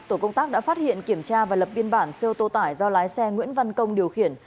tổ công tác đã phát hiện kiểm tra và lập biên bản xe ô tô tải do lái xe nguyễn văn công điều khiển